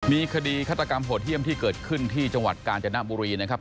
มีคดีฆาตกรรมโหดเยี่ยมที่เกิดขึ้นที่จังหวัดกาญจนบุรีนะครับ